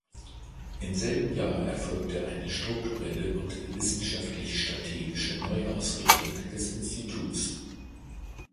Im selben Jahr erfolgt eine strukturelle und wissenschaftlich-strategische Neuausrichtung des Instituts.